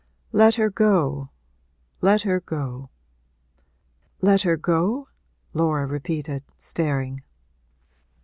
Let her go let her go!' 'Let her go?' Laura repeated, staring.